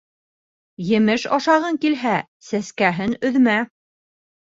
Емеш ашағың килһә, сәскәһен өҙмә.